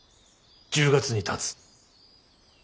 １０月にたつ。